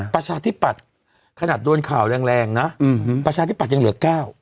ประชาธิปัตย์ขนาดโดนข่าวแรงนะประชาธิบัตย์ยังเหลือ๙